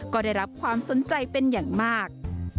ก็ได้รับความสนใจเป็นอย่างมาก